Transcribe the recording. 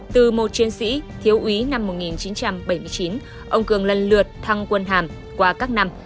từ một chiến sĩ thiếu úy năm một nghìn chín trăm bảy mươi chín ông cường lần lượt thăng quân hàm qua các năm